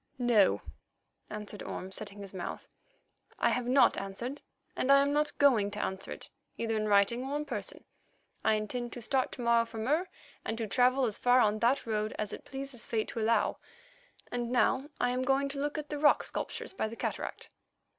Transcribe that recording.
"No," answered Orme, setting his mouth. "I have not answered, and I am not going to answer it, either in writing or in person. I intend to start to morrow for Mur and to travel as far on that road as it pleases fate to allow, and now I am going to look at the rock sculptures by the cataract."